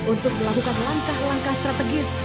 untuk melakukan langkah langkah strategis